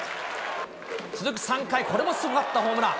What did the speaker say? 続く３回、これもすごかった、ホームラン。